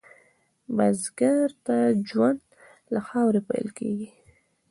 بزګر ته ژوند له خاورې پیل کېږي